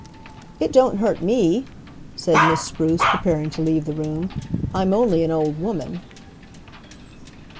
"It don't hurt me," said Miss Spruce, preparing to leave the room. "I'm only an old woman."